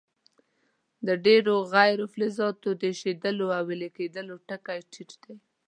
د ډیرو غیر فلزاتو د ایشېدلو او ویلي کیدلو ټکي ټیټ دي.